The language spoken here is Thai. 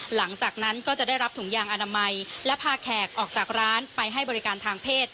หลังจากนั้นก็จะได้รับถุงยางอนามัยและพาแขกออกจากร้านไปให้บริการทางเพศ